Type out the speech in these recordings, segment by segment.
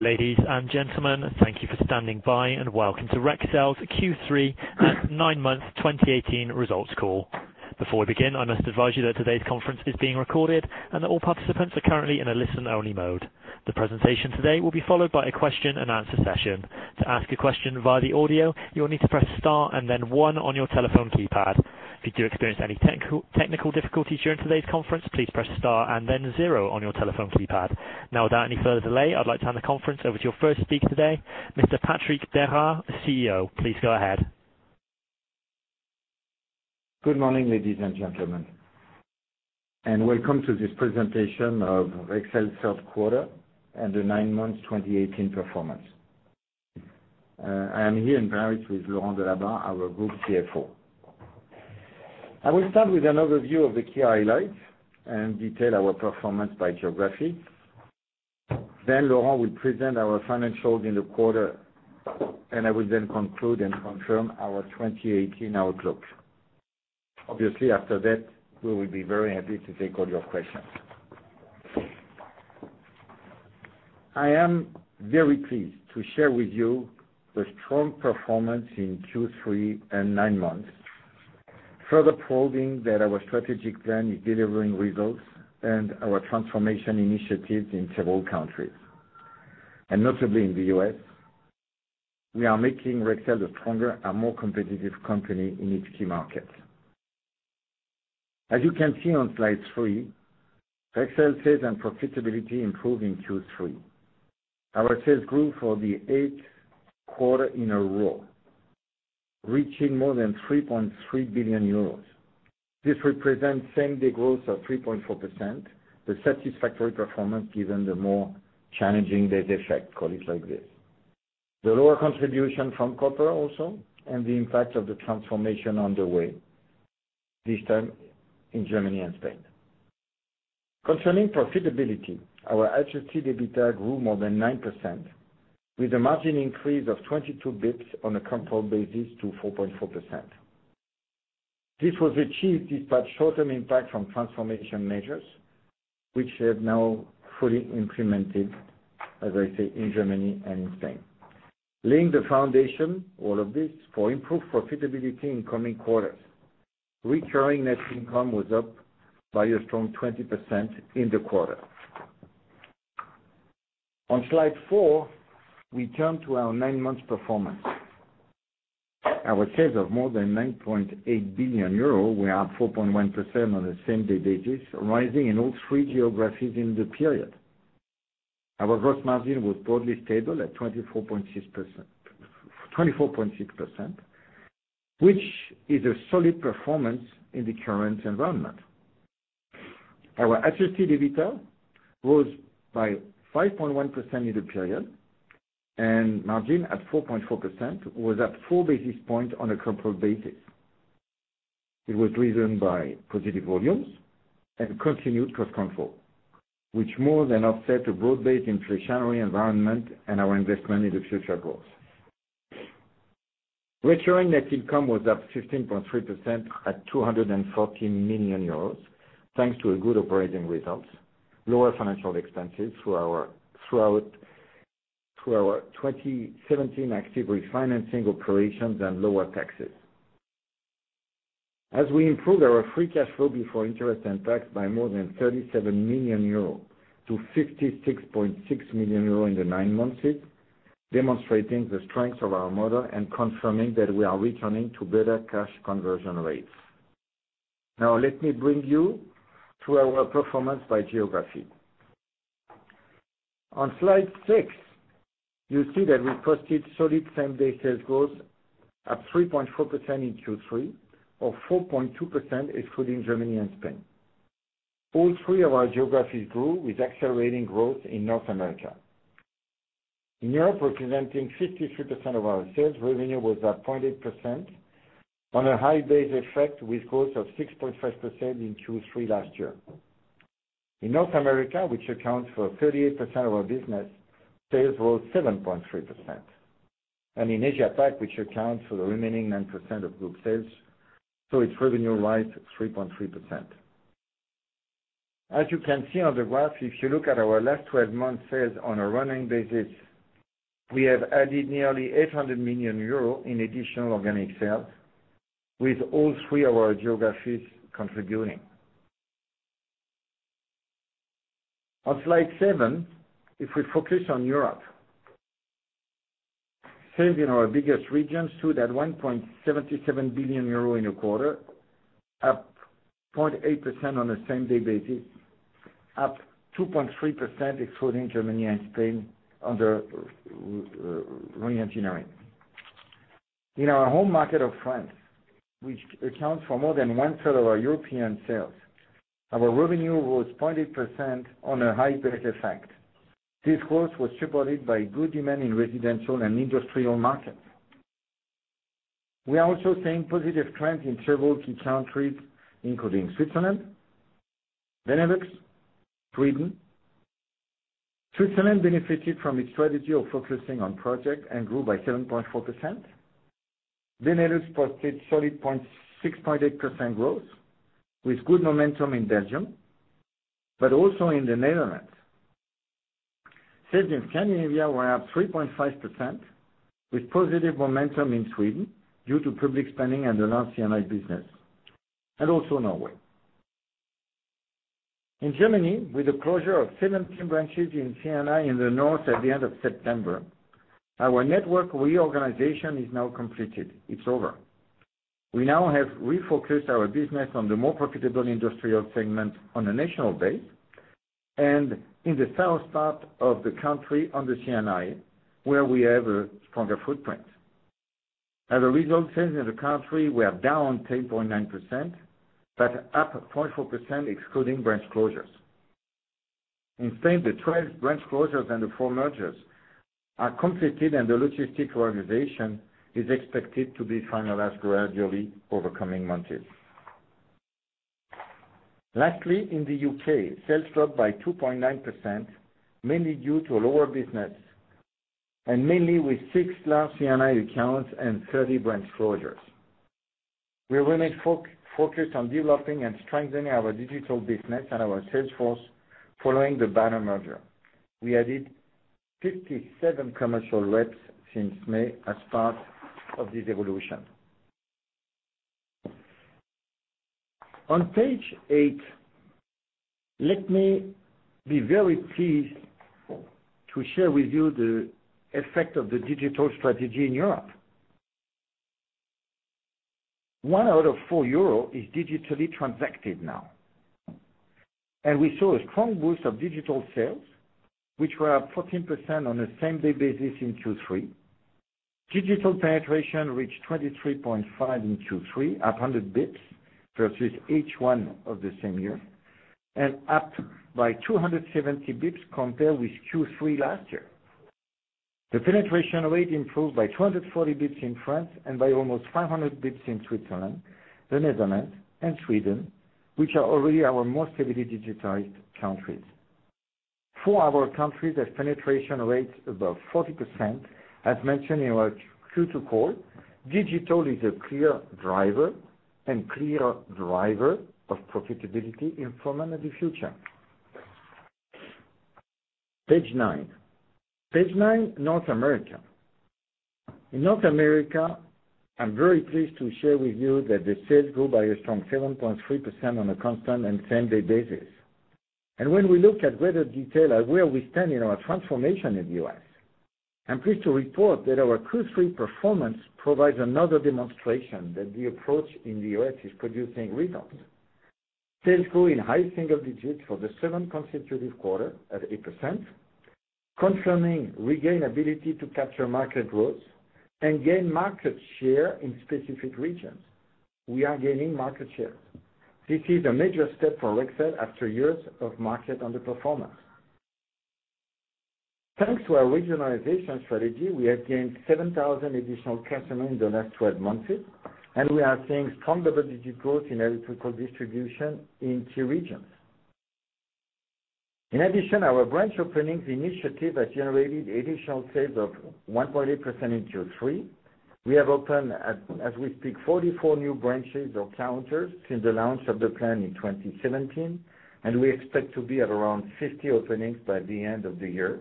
Ladies and gentlemen, thank you for standing by, and welcome to Rexel's Q3 and nine-month 2018 results call. Before we begin, I must advise you that today's conference is being recorded, and that all participants are currently in a listen-only mode. The presentation today will be followed by a question and answer session. To ask a question via the audio, you will need to press star and then one on your telephone keypad. If you do experience any technical difficulties during today's conference, please press star and then zero on your telephone keypad. Without any further delay, I'd like to hand the conference over to your first speaker today, Mr. Patrick Berard, CEO. Please go ahead. Good morning, ladies and gentlemen, and welcome to this presentation of Rexel's third quarter and the nine-month 2018 performance. I am here in Paris with Laurent Delabarre, our Group CFO. I will start with an overview of the key highlights and detail our performance by geography. Laurent will present our financials in the quarter, and I will then conclude and confirm our 2018 outlook. Obviously, after that, we will be very happy to take all your questions. I am very pleased to share with you the strong performance in Q3 and nine months, further proving that our strategic plan is delivering results and our transformation initiatives in several countries. Notably in the U.S., we are making Rexel a stronger and more competitive company in each key market. As you can see on slide three, Rexel sales and profitability improved in Q3. Our sales grew for the eighth quarter in a row, reaching more than 3.3 billion euros. This represents same-day growth of 3.4%, a satisfactory performance given the more challenging days effect, call it like this. The lower contribution from copper also, and the impact of the transformation on the way, this time in Germany and Spain. Concerning profitability, our adjusted EBITDA grew more than 9%, with a margin increase of 22 basis points on a controlled basis to 4.4%. This was achieved despite short-term impact from transformation measures, which have now fully implemented, as I say, in Germany and in Spain, laying the foundation, all of this, for improved profitability in coming quarters. Recurring net income was up by a strong 20% in the quarter. On slide four, we turn to our nine-month performance. Our sales of more than 9.8 billion euro were up 4.1% on the same-day basis, rising in all three geographies in the period. Our gross margin was broadly stable at 24.6%, which is a solid performance in the current environment. Our adjusted EBITDA rose by 5.1% in the period, and margin at 4.4% was up four basis points on a controlled basis. It was driven by positive volumes and continued cost control, which more than offset a broad-based inflationary environment and our investment into future growth. Recurring net income was up 15.3% at 214 million euros, thanks to good operating results, lower financial expenses throughout our 2017 active refinancing operations, and lower taxes. We improved our free cash flow before interest and tax by more than 37 million euro to 56.6 million euro in the nine months, demonstrating the strength of our model and confirming that we are returning to better cash conversion rates. Let me bring you through our performance by geography. On slide six, you see that we posted solid same day sales growth at 3.4% in Q3, or 4.2% excluding Germany and Spain. All three of our geographies grew, with accelerating growth in North America. In Europe, representing 53% of our sales, revenue was up 0.8% on a high base effect, with growth of 6.5% in Q3 last year. In North America, which accounts for 38% of our business, sales rose 7.3%. In Asia Pac, which accounts for the remaining 9% of group sales, saw its revenue rise 3.3%. You can see on the graph, if you look at our last 12 months sales on a running basis, we have added nearly 800 million euros in additional organic sales with all three of our geographies contributing. On slide seven, if we focus on Europe. Sales in our biggest region stood at 1.77 billion euro in the quarter, up 0.8% on the same day basis, up 2.3% excluding Germany and Spain under re-engineering. In our home market of France, which accounts for more than one third of our European sales, our revenue was 0.8% on a high base effect. This growth was supported by good demand in residential and industrial markets. We are also seeing positive trends in several key countries, including Switzerland, Benelux, Sweden. Switzerland benefited from its strategy of focusing on project and grew by 7.4%. Benelux posted solid 6.8% growth with good momentum in Belgium, but also in the Netherlands. Sales in Scandinavia were up 3.5% with positive momentum in Sweden due to public spending and the large C&I business, and also Norway. In Germany, with the closure of 17 branches in C&I in the north at the end of September, our network reorganization is now completed. It's over. We now have refocused our business on the more profitable industrial segment on a national base, and in the south part of the country on the C&I, where we have a stronger footprint. As a result, sales in the country were down 10.9%, but up 24% excluding branch closures. In Spain, the 12 branch closures and the four mergers are completed, and the logistic organization is expected to be finalized gradually over coming months. Lastly, in the U.K., sales dropped by 2.9%, mainly due to lower business and mainly with six large C&I accounts and 30 branch closures. We remain focused on developing and strengthening our digital business and our sales force following the banner merger. We added 57 commercial reps since May as part of this evolution. On page eight, let me be very pleased to share with you the effect of the digital strategy in Europe. One out of four EUR is digitally transacted now. We saw a strong boost of digital sales, which were up 14% on a same-day basis in Q3. Digital penetration reached 23.5 in Q3, up 100 basis points versus each one of the same year, and up by 270 basis points compared with Q3 last year. The penetration rate improved by 240 basis points in France and by almost 500 basis points in Switzerland, the Netherlands, and Sweden, which are already our most heavily digitized countries. Four other countries have penetration rates above 40%. As mentioned in our Q2 call, digital is a clear driver of profitability in the future. Page 9, North America. In North America, I'm very pleased to share with you that the sales grew by a strong 7.3% on a constant and same-day basis. When we look at greater detail at where we stand in our transformation in the U.S., I'm pleased to report that our Q3 performance provides another demonstration that the approach in the U.S. is producing returns. Sales grew in high single digits for the seventh consecutive quarter at 8%, confirming regained ability to capture market growth and gain market share in specific regions. We are gaining market share. This is a major step for Rexel after years of market underperformance. Thanks to our regionalization strategy, we have gained 7,000 additional customers in the last 12 months, and we are seeing strong double-digit growth in electrical distribution in key regions. In addition, our branch openings initiative has generated additional sales of 1.8% in Q3. We have opened, as we speak, 44 new branches or counters since the launch of the plan in 2017, and we expect to be at around 50 openings by the end of the year,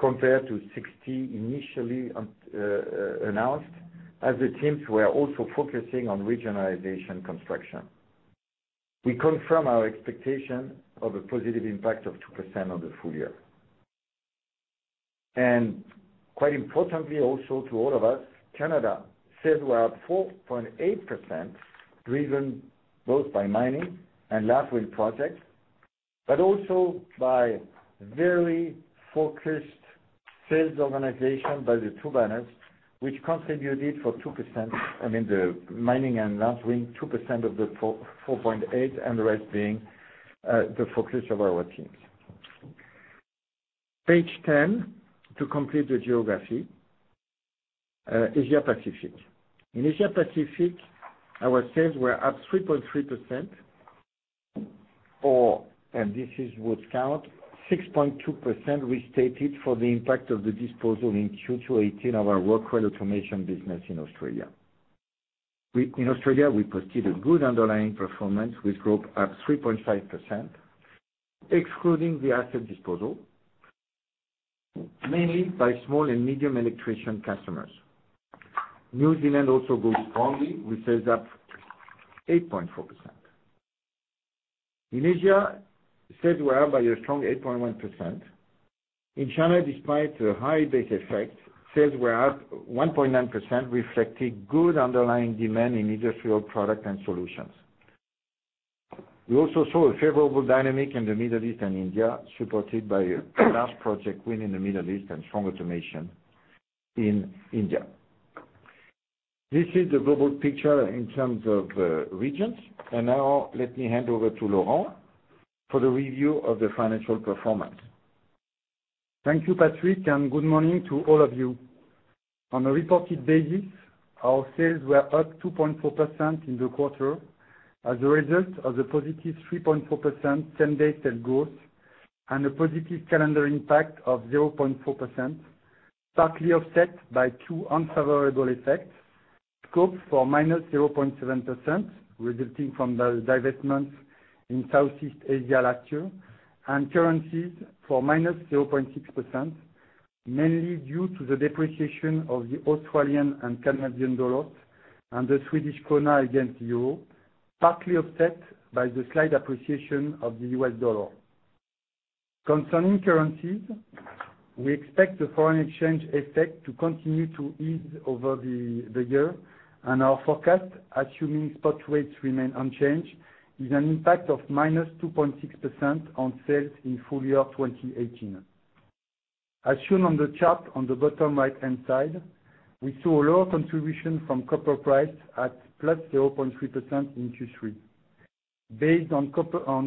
compared to 60 initially announced as the teams were also focusing on regionalization construction. We confirm our expectation of a positive impact of 2% on the full year. Quite importantly also to all of us, Canada sales were up 4.8%, driven both by mining and large wind projects, but also by very focused sales organization by the two banners, which contributed for 2%. I mean, the mining and large wind contributed 2% of the 4.8%, and the rest being the focus of our teams. Page 10, to complete the geography, Asia Pacific. In Asia Pacific, our sales were up 3.3%, or, and this is what counts, 6.2% restated for the impact of the disposal in Q2 2018 of our Rockwell Automation business in Australia. In Australia, we pursued a good underlying performance with growth up 3.5%, excluding the asset disposal, mainly by small and medium electrician customers. New Zealand also grew strongly with sales up 8.4%. In Asia, sales were up by a strong 8.1%. In China, despite the high base effect, sales were up 1.9%, reflecting good underlying demand in industrial product and solutions. We also saw a favorable dynamic in the Middle East and India, supported by a large project win in the Middle East and strong automation in India. This is the global picture in terms of regions. Now let me hand over to Laurent for the review of the financial performance. Thank you, Patrick, and good morning to all of you. On a reported basis, our sales were up 2.4% in the quarter as a result of the positive 3.4% same-day sales growth and a positive calendar impact of 0.4%, partly offset by two unfavorable effects. Scope for -0.7%, resulting from the divestments in Southeast Asia last year, and currencies for -0.6%, mainly due to the depreciation of the Australian and Canadian dollars and the Swedish krona against the euro, partly offset by the slight appreciation of the US dollar. Concerning currencies, we expect the foreign exchange effect to continue to ease over the year, and our forecast, assuming spot rates remain unchanged, is an impact of -2.6% on sales in full year 2018. As shown on the chart on the bottom right-hand side, we saw a lower contribution from copper price at +0.3% in Q3. Based on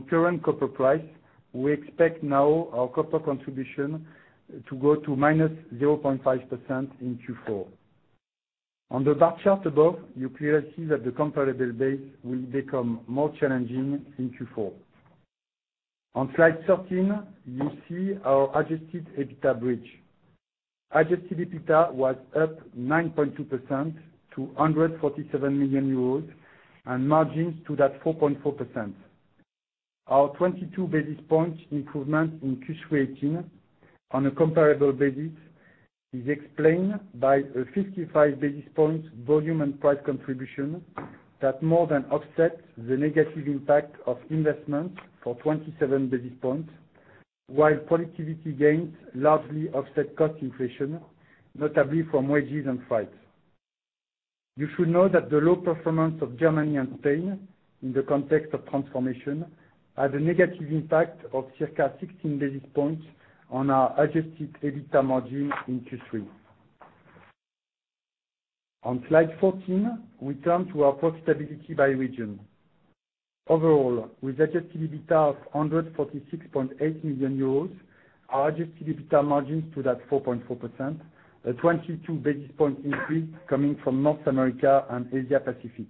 current copper price, we expect now our copper contribution to go to -0.5% in Q4. On the bar chart above, you clearly see that the comparable base will become more challenging in Q4. On slide 13, you see our adjusted EBITDA bridge. Adjusted EBITDA was up 9.2% to 147 million euros and margins stood at 4.4%. Our 22 basis points improvement in Q3 2018 on a comparable basis is explained by a 55 basis points volume and price contribution that more than offsets the negative impact of investments for 27 basis points, while productivity gains largely offset cost inflation, notably from wages and price. You should know that the low performance of Germany and Spain, in the context of transformation, had a negative impact of circa 16 basis points on our adjusted EBITDA margin in Q3. On slide 14, we turn to our profitability by region. Overall, with adjusted EBITDA of 146.8 million euros, our adjusted EBITDA margins stood at 4.4%, a 22 basis points increase coming from North America and Asia-Pacific.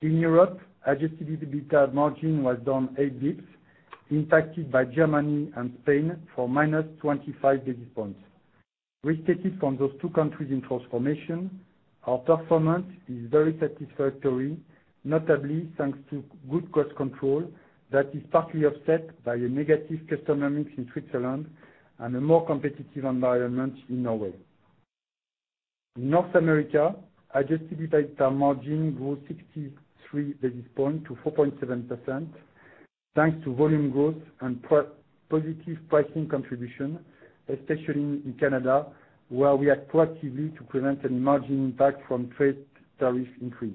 In Europe, adjusted EBITDA margin was down eight basis points, impacted by Germany and Spain for -25 basis points. Restated from those two countries in transformation, our performance is very satisfactory, notably thanks to good cost control that is partly offset by a negative customer mix in Switzerland and a more competitive environment in Norway. In North America, adjusted EBITDA margin grew 63 basis points to 4.7%, thanks to volume growth and positive pricing contribution, especially in Canada, where we act proactively to prevent any margin impact from trade tariff increase.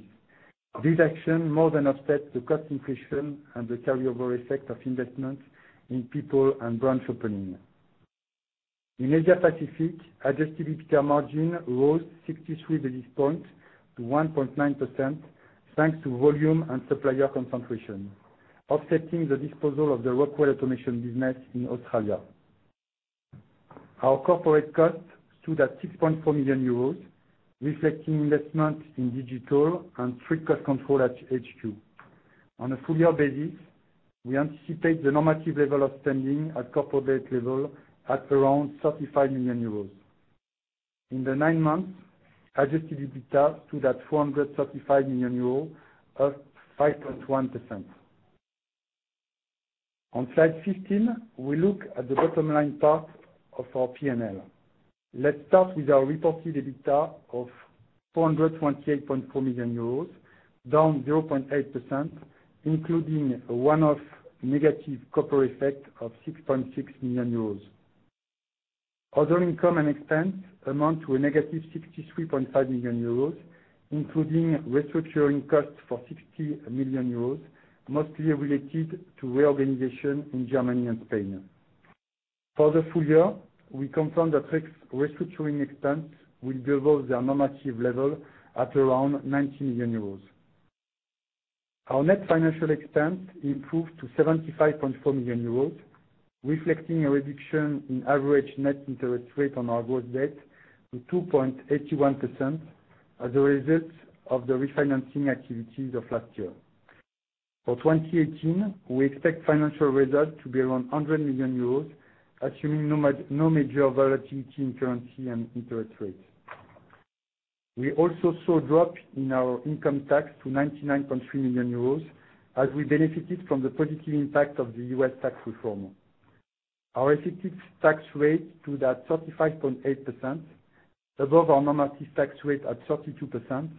This action more than offsets the cost inflation and the carryover effect of investments in people and branch opening. In Asia-Pacific, adjusted EBITDA margin rose 63 basis points to 1.9%, thanks to volume and supplier concentration, offsetting the disposal of the Rockwell Automation business in Australia. Our corporate cost stood at 6.4 million euros, reflecting investment in digital and strict cost control at HQ. On a full year basis, we anticipate the normative level of spending at corporate level at around 35 million euros. In the nine months, adjusted EBITDA stood at 435 million euros, up 5.1%. On slide 15, we look at the bottom line part of our P&L. Let's start with our reported EBITDA of 428.4 million euros, down 0.8%, including a one-off negative copper effect of 6.6 million euros. Other income and expense amount to a negative 63.5 million euros, including restructuring costs for 60 million euros, mostly related to reorganization in Germany and Spain. For the full year, we confirm that restructuring expense will be above their normative level at around 90 million euros. Our net financial expense improved to 75.4 million euros, reflecting a reduction in average net interest rate on our gross debt to 2.81% as a result of the refinancing activities of last year. For 2018, we expect financial results to be around 100 million euros, assuming no major volatility in currency and interest rates. We also saw a drop in our income tax to 99.3 million euros as we benefited from the positive impact of the U.S. tax reform. Our effective tax rate stood at 35.8%, above our normative tax rate at 32%,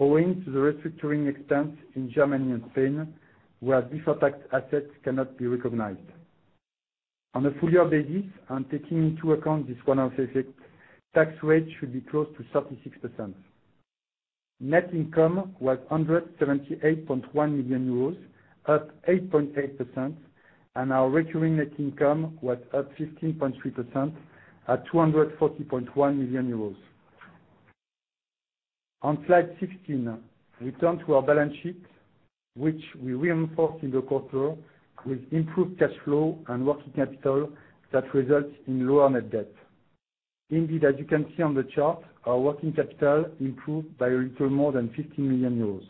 owing to the restructuring expense in Germany and Spain, where deferred tax assets cannot be recognized. On a full year basis, and taking into account this one-off effect, tax rate should be close to 36%. Net income was 178.1 million euros, up 8.8%, and our recurring net income was up 15.3% at 240.1 million euros. On slide 16, we turn to our balance sheet, which we reinforced in the quarter with improved cash flow and working capital that results in lower net debt. Indeed, as you can see on the chart, our working capital improved by a little more than 15 million euros.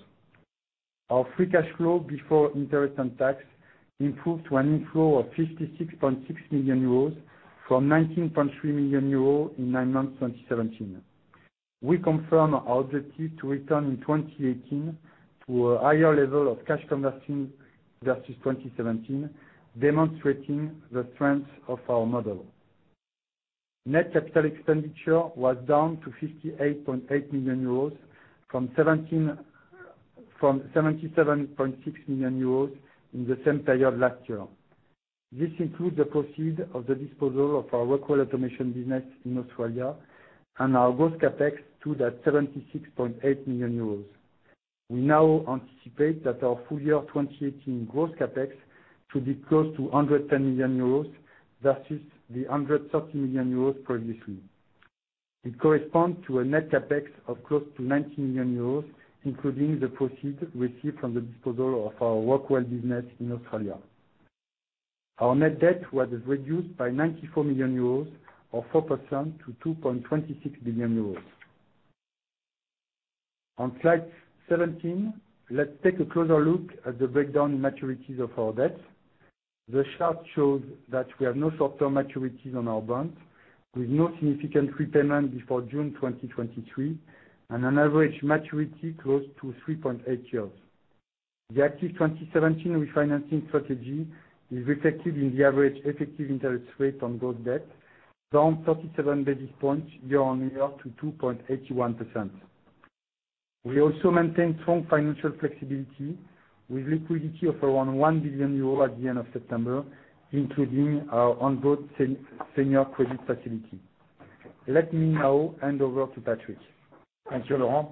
Our free cash flow before interest and tax improved to an inflow of 56.6 million euros from 19.3 million euros in nine months 2017. We confirm our objective to return in 2018 to a higher level of cash conversion versus 2017, demonstrating the strength of our model. Net Capital Expenditure was down to 58.8 million euros from 77.6 million euros in the same period last year. This includes the proceeds of the disposal of our Rockwell Automation business in Australia and our gross CapEx stood at 76.8 million euros. We now anticipate that our full year 2018 gross CapEx to be close to 110 million euros versus the 130 million euros previously. It corresponds to a net CapEx of close to 90 million euros, including the proceed received from the disposal of our Rockwell business in Australia. Our net debt was reduced by 94 million euros or 4% to 2.26 billion euros. On slide 17, let's take a closer look at the breakdown maturities of our debt. The chart shows that we have no short-term maturities on our bond, with no significant repayment before June 2023, and an average maturity close to 3.8 years. The active 2017 refinancing strategy is reflected in the average effective interest rate on gross debt down 37 basis points year-over-year to 2.81%. We also maintain strong financial flexibility with liquidity of around 1 billion euro at the end of September, including our on-broad senior credit facility. Let me now hand over to Patrick. Thank you, Laurent.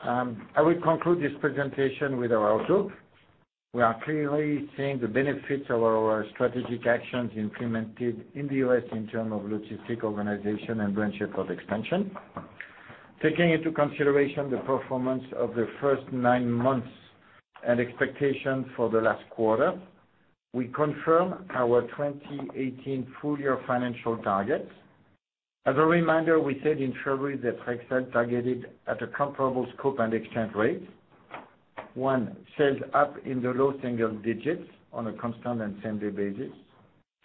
I will conclude this presentation with our outlook. We are clearly seeing the benefits of our strategic actions implemented in the U.S. in terms of logistic organization and branch account expansion. Taking into consideration the performance of the first 9 months and expectation for the last quarter, we confirm our 2018 full year financial targets. As a reminder, we said in February that Rexel targeted at a comparable scope and exchange rate. 1, sales up in the low single digits on a constant and same-day basis.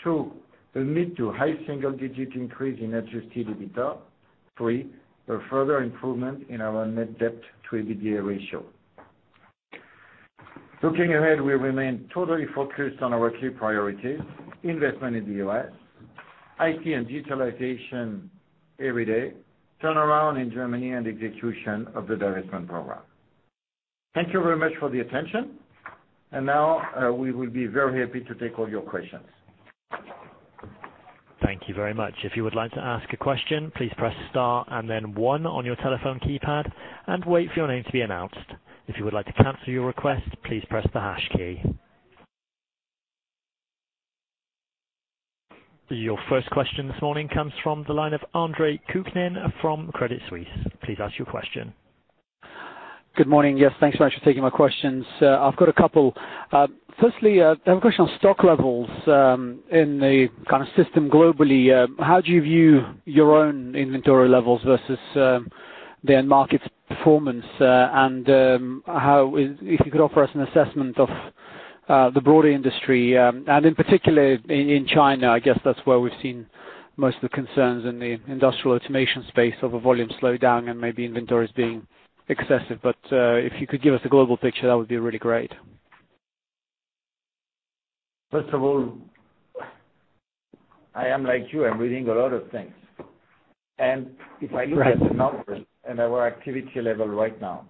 2, a mid to high single digit increase in adjusted EBITDA. 3, a further improvement in our net debt to EBITDA ratio. Looking ahead, we remain totally focused on our key priorities, investment in the U.S., IT and digitalization every day, turnaround in Germany and execution of the divestment program. Thank you very much for the attention. Now, we will be very happy to take all your questions. Thank you very much. If you would like to ask a question, please press star and then 1 on your telephone keypad and wait for your name to be announced. If you would like to cancel your request, please press the hash key. Your first question this morning comes from the line of Andre Kukhnin from Credit Suisse. Please ask your question. Good morning. Thanks much for taking my questions. I've got a couple. Firstly, I have a question on stock levels in the kind of system globally. How do you view your own inventory levels versus the end market's performance? If you could offer us an assessment of the broader industry, and in particular, in China, I guess that's where we've seen most of the concerns in the industrial automation space of a volume slowdown and maybe inventories being excessive. If you could give us a global picture, that would be really great. First of all, I am like you, I'm reading a lot of things. If I look at the numbers and our activity level right now.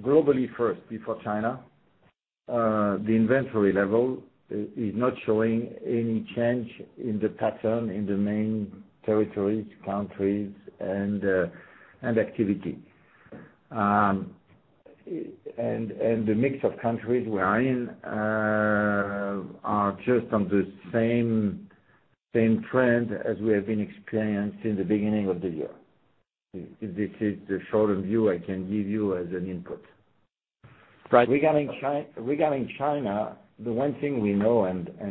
Globally first, before China, the inventory level is not showing any change in the pattern in the main territories, countries and activity. The mix of countries we are in are just on the same trend as we have been experiencing the beginning of the year. This is the shortened view I can give you as an input. Right. Regarding China, the one thing we know,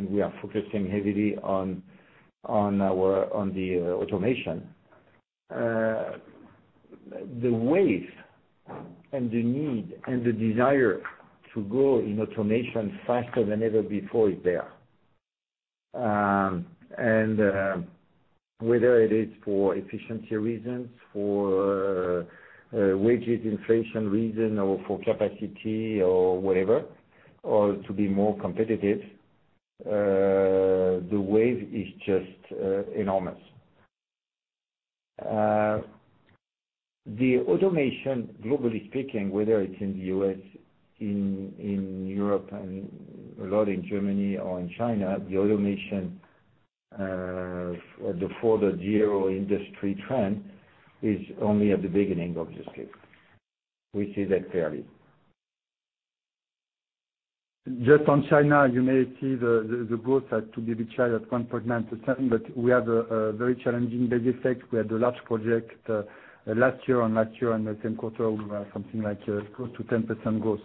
we are focusing heavily on the automation. The wave and the need and the desire to go in automation faster than ever before is there. Whether it is for efficiency reasons, for wages inflation reason, or for capacity or whatever, or to be more competitive, the wave is just enormous. The automation globally speaking, whether it's in the U.S., in Europe and a lot in Germany or in China, the automation, the Industry 4.0 trend is only at the beginning of this case. We see that clearly. Just on China, you may see the growth at B2B China at 1.9%, we have a very challenging basic effect. We had a large project last year, last year in the same quarter, we were something like close to 10% growth.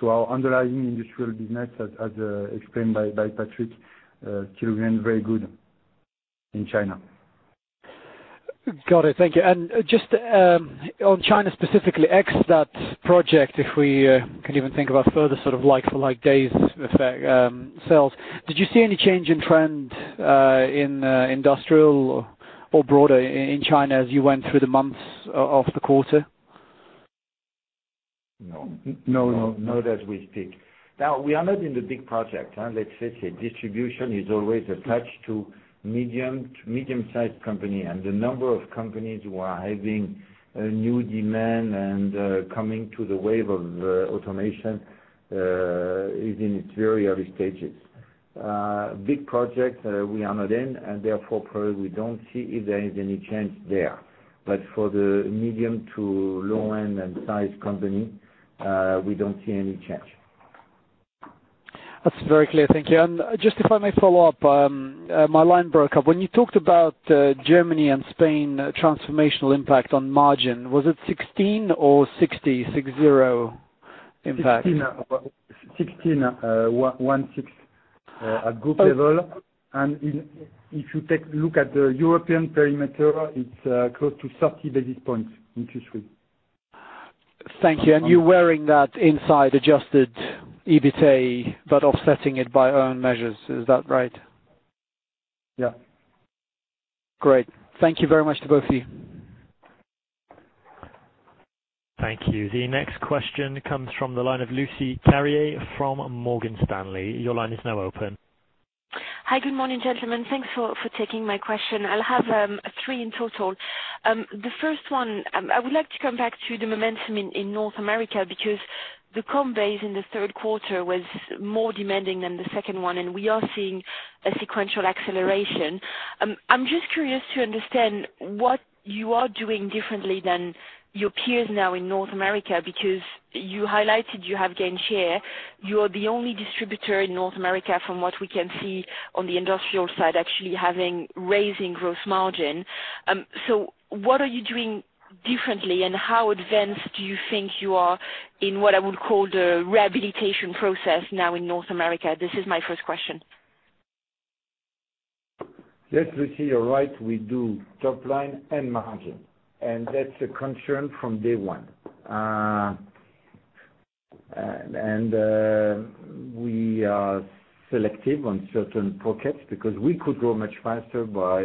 So our underlying industrial business, as explained by Patrick, still remains very good in China. Got it. Thank you. Just on China specifically, X, that project, if we could even think about further sort of like days sales. Did you see any change in trend in industrial or broader in China as you went through the months of the quarter? No. No. Not as we speak. Now, we are not in the big project. Let's say distribution is always attached to medium-sized company, and the number of companies who are having a new demand and coming to the wave of automation is in its very early stages. Big projects we are not in, and therefore probably we don't see if there is any change there. For the medium to low end and size company, we don't see any change. That's very clear. Thank you. Just if I may follow up, my line broke up. When you talked about Germany and Spain transformational impact on margin, was it 16 or 60, six, zero impact? Sixteen, one, six at group level, and if you take a look at the European perimeter, it's close to 30 basis points in Q3. Thank you. You're wearing that inside adjusted EBITDA but offsetting it by own measures. Is that right? Yeah. Great. Thank you very much to both of you. Thank you. The next question comes from the line of Lucie Carpentier from Morgan Stanley. Your line is now open. Hi. Good morning, gentlemen. Thanks for taking my question. I'll have three in total. The first one, I would like to come back to the momentum in North America because the comp base in the third quarter was more demanding than the second one, and we are seeing a sequential acceleration. I'm just curious to understand what you are doing differently than your peers now in North America, because you highlighted you have gained share. You are the only distributor in North America from what we can see on the industrial side, actually having raising gross margin. What are you doing differently, and how advanced do you think you are in what I would call the rehabilitation process now in North America? This is my first question. Yes, Lucie, you're right, we do top line and margin, and that's a concern from day one. We are selective on certain pockets because we could grow much faster by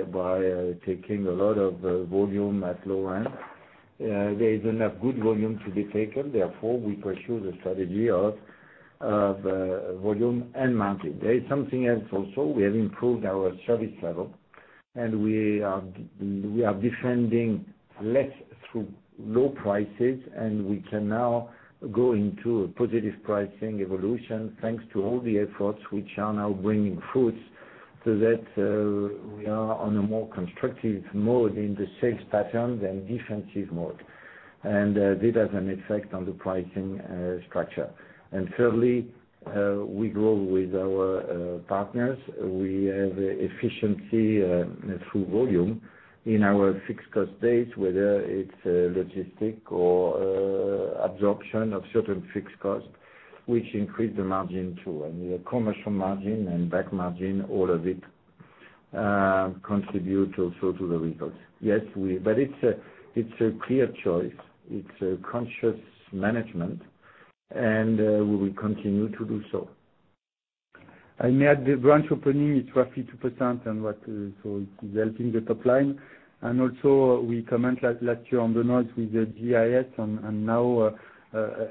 taking a lot of volume at low end. There is enough good volume to be taken, therefore, we pursue the strategy of volume and margin. There is something else also. We have improved our service level, and we are defending less through low prices, and we can now go into a positive pricing evolution thanks to all the efforts which are now bringing fruits so that we are on a more constructive mode in the sales pattern than defensive mode. This has an effect on the pricing structure. Thirdly, we grow with our partners. We have efficiency through volume in our fixed cost base, whether it's logistic or absorption of certain fixed cost, which increase the margin too, and the commercial margin and back margin, all of it contributes also to the results. It's a clear choice. It's a conscious management, and we will continue to do so. We had the branch opening, it's roughly 2%, it is helping the top line. We comment last year on the North with the GIS, and now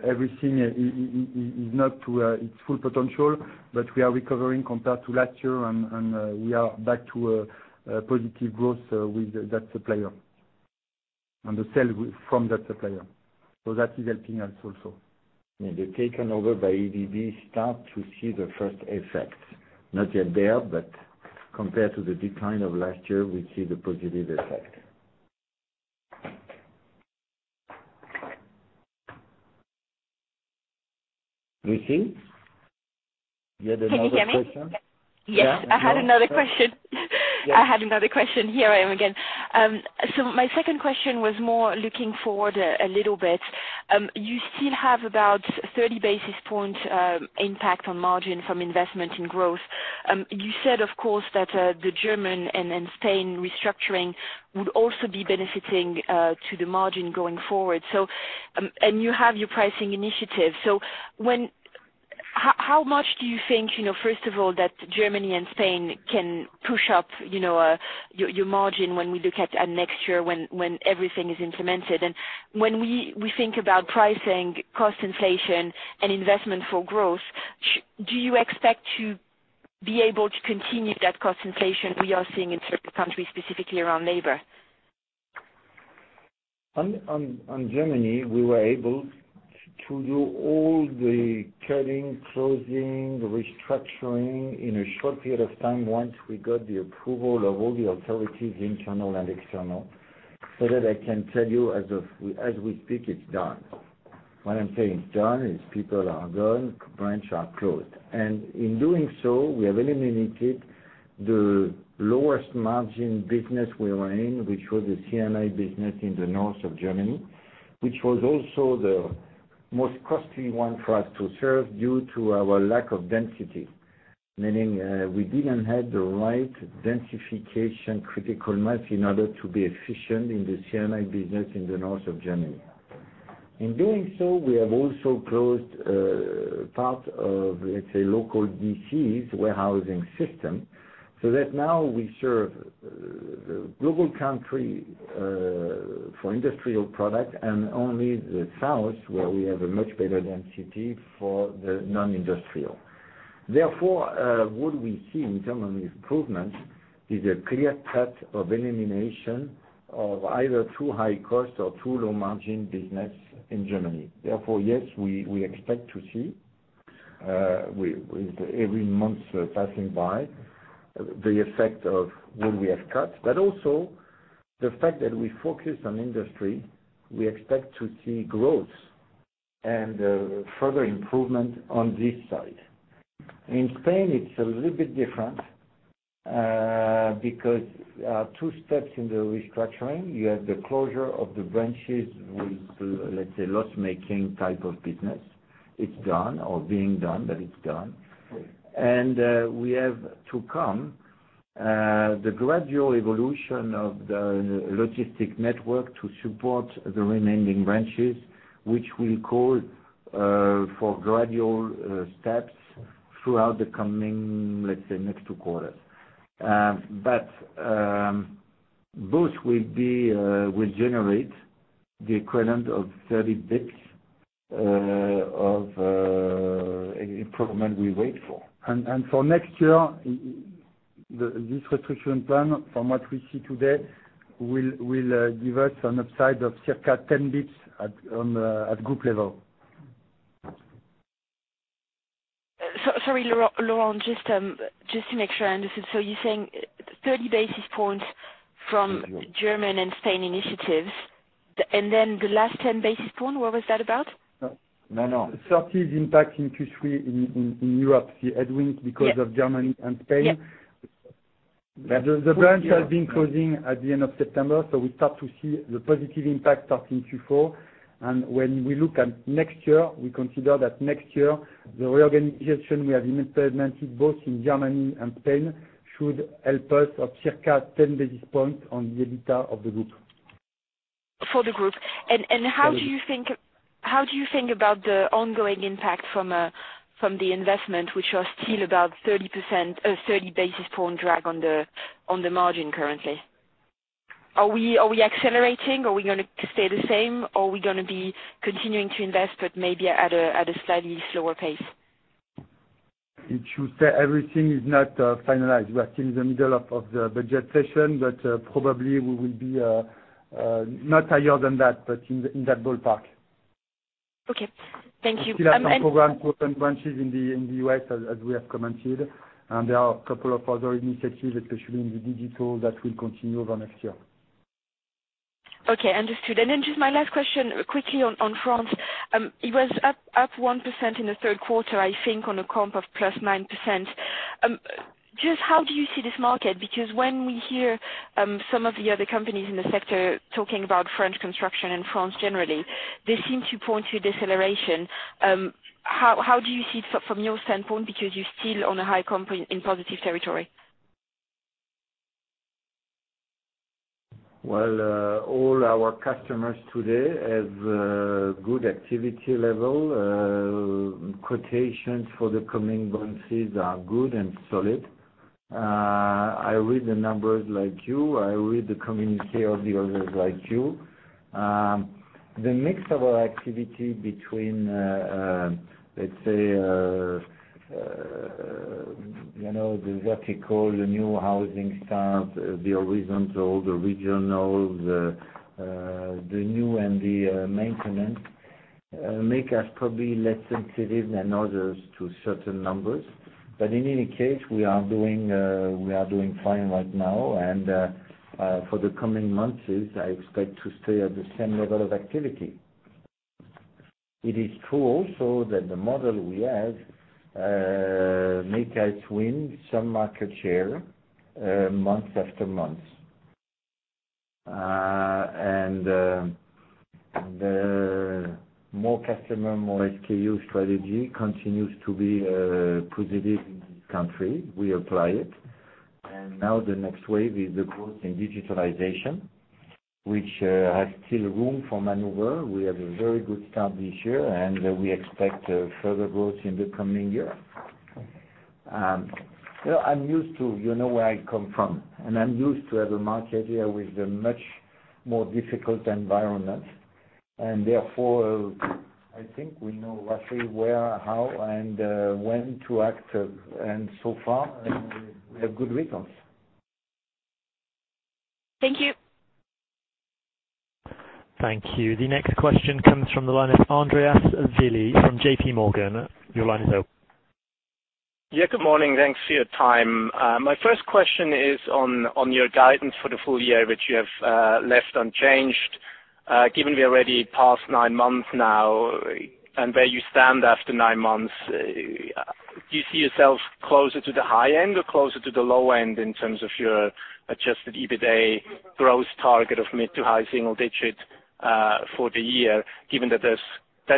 everything is not to its full potential. We are recovering compared to last year, and we are back to a positive growth with that supplier, on the sale from that supplier. That is helping us also. The taken over by ABB start to see the first effect, not yet there, but compared to the decline of last year, we see the positive effect. Lucie, you had another question? Can you hear me? Yes. Yeah. I had another question. Yes. My second question was more looking forward a little bit. You still have about 30 basis points impact on margin from investment in growth. You said, of course, that the German and Spain restructuring would also be benefiting to the margin going forward. You have your pricing initiative. How much do you think, first of all, that Germany and Spain can push up your margin when we look at next year when everything is implemented? When we think about pricing, cost inflation, and investment for growth, do you expect to be able to continue that cost inflation we are seeing in certain countries, specifically around labor? On Germany, we were able to do all the cutting, closing, restructuring in a short period of time once we got the approval of all the authorities, internal and external. That I can tell you as we speak, it's done. When I'm saying it's done, it's people are gone, branch are closed. In doing so, we have eliminated the lowest margin business we were in, which was the C&I business in the north of Germany, which was also the most costly one for us to serve due to our lack of density. Meaning we didn't have the right densification critical mass in order to be efficient in the C&I business in the north of Germany. In doing so, we have also closed part of, let's say, local DCs warehousing system, so that now we serve the global country for industrial product and only the south, where we have a much better density for the non-industrial. What we see in Germany improvement is a clear cut of elimination of either too high cost or too low margin business in Germany. Yes, we expect to see, with every month passing by, the effect of what we have cut. Also, the fact that we focus on industry, we expect to see growth and further improvement on this side. In Spain, it's a little bit different, because two steps in the restructuring, you have the closure of the branches with, let's say, loss-making type of business. It's done or being done, but it's done. We have to come, the gradual evolution of the logistic network to support the remaining branches, which will call for gradual steps throughout the coming, let's say, next two quarters. Both will generate the equivalent of 30 basis points of improvement we wait for. For next year, this restructuring plan from what we see today, will give us an upside of circa 10 basis points at group level. Sorry, Laurent, just to make sure I understood. You're saying 30 basis points from German and Spain initiatives. The last 10 basis point, what was that about? No. 30 is impact in Q3 in Europe, the headwind because of Germany and Spain. Yes. The branch has been closing at the end of September, we start to see the positive impact starting Q4. When we look at next year, we consider that next year, the reorganization we have implemented both in Germany and Spain should help us of circa 10 basis points on the EBITDA of the group. For the group. How do you think about the ongoing impact from the investment, which are still about 30 basis point drag on the margin currently? Are we accelerating? Are we going to stay the same? Are we going to be continuing to invest, but maybe at a slightly slower pace? It should stay. Everything is not finalized. We are still in the middle of the budget session, probably we will be not higher than that, in that ballpark. Okay. Thank you. Still have some program to open branches in the U.S. as we have commented, there are a couple of other initiatives, especially in the digital that will continue over next year. Okay, understood. Then just my last question quickly on France. It was up 1% in the third quarter, I think, on a comp of +9%. Just how do you see this market? When we hear some of the other companies in the sector talking about French construction and France generally, they seem to point to deceleration. How do you see it from your standpoint because you're still on a high comp in positive territory? Well, all our customers today have good activity level. Quotations for the coming months are good and solid. I read the numbers like you. I read the communique of the others like you. The mix of our activity between, let's say, the vertical, the new housing start, the horizontal, the regional, the new and the maintenance, make us probably less sensitive than others to certain numbers. In any case, we are doing fine right now and for the coming months, I expect to stay at the same level of activity. It is true also that the model we have makes us win some market share month after month. The more customer, more SKU strategy continues to be positive in this country. We apply it. Now the next wave is the growth in digitalization, which has still room for maneuver. We have a very good start this year, we expect further growth in the coming year. I'm used to, you know where I come from, I'm used to have a market here with a much more difficult environment. Therefore, I think we know roughly where, how, and when to act. So far, we have good results. Thank you. Thank you. The next question comes from the line of Andreas Willi from JP Morgan. Your line is open. Good morning. Thanks for your time. My first question is on your guidance for the full year, which you have left unchanged. Given we already passed nine months now and where you stand after nine months, do you see yourself closer to the high end or closer to the low end in terms of your adjusted EBITDA growth target of mid to high single-digit for the year, given that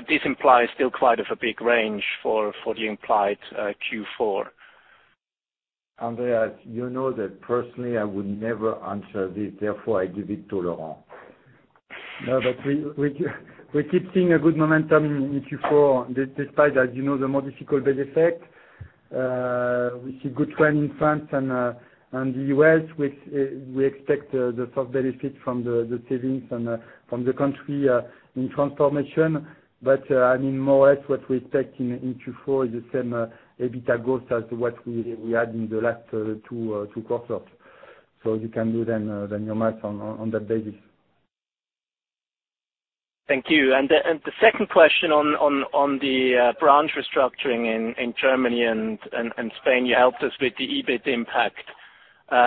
this implies still quite of a big range for the implied Q4? Andreas, you know that personally, I would never answer this. I give it to Laurent. We keep seeing a good momentum in Q4, despite, as you know, the more difficult base effect. We see good trend in France and the U.S., we expect the soft benefit from the savings from the country in transformation. I mean, more or less what we expect in Q4 is the same EBITDA growth as what we had in the last two quarters. You can do your math on that basis. Thank you. The second question on the branch restructuring in Germany and Spain, you helped us with the EBIT impact.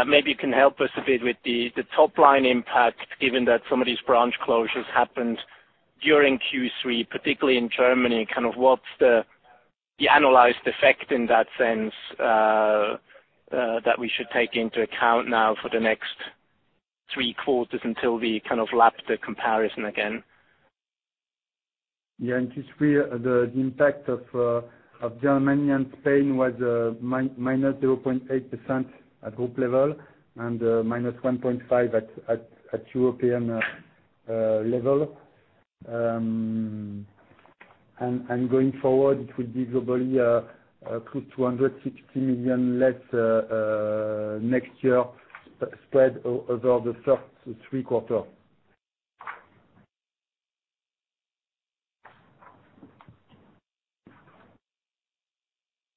Maybe you can help us a bit with the top-line impact, given that some of these branch closures happened during Q3, particularly in Germany. Kind of what's the annualized effect in that sense that we should take into account now for the next three quarters until we kind of lap the comparison again? Yeah, in Q3, the impact of Germany and Spain was -0.8% at group level and -1.5% at European level. Going forward, it will be globally close to 160 million less next year spread over the first three quarters.